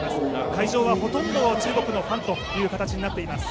会場はほとんど中国のファンになっています。